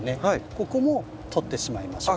ここも取ってしまいましょう。